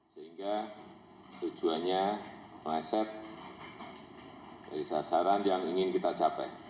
sehingga tujuannya mindset dari sasaran yang ingin kita capai